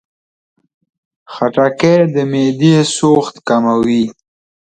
خټکی د معدې سوخت کموي.